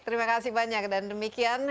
terima kasih banyak dan demikian